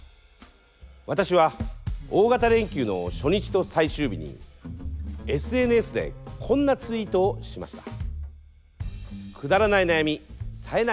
私は大型連休の初日と最終日にＳＮＳでこんなツイートをしました。